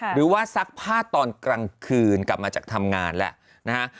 ซักผ้าตอนกลางคืนกลับมาจากทำงานแล้วนะฮะ